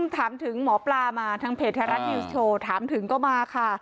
ถามถึงหมอปลามาทางเพจไทยรัฐนิวส์โชว์ถามถึงก็มาค่ะ